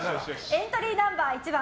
エントリーナンバー１番